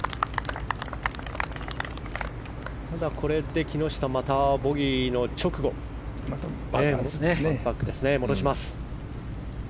これで木下はまたボギーの直後バウンスバックに戻します。